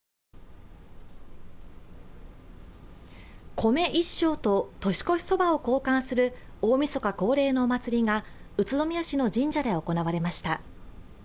米１升と年越しそばを交換する大みそか恒例のお祭りが宇都宮市の神社で行われました。